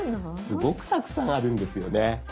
すごくたくさんあるんですよね。